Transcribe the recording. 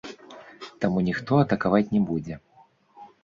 Таму ніхто атакаваць не будзе.